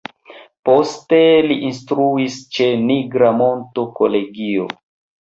Poste li instruis ĉe Nigra Monto Kolegio.